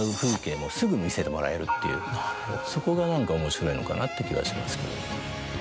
そこが何か面白いのかなって気はしますけど。